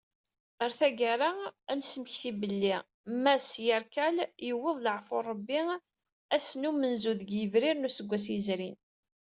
Ɣer taggara, ad nesmekti belli Mass Yarkal yewweḍ leɛfu Rebbi ass n umenzu deg yebrir n useggas yezrin.